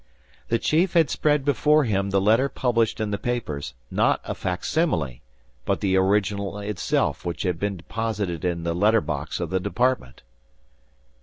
The chief had spread before him the letter published in the papers, not a facsimile, but the original itself which had been deposited in the letter box of the department.